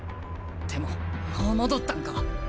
でももう戻ったんか？